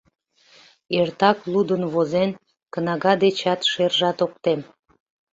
Эртак лудын-возен, кнага дечат шержат ок тем...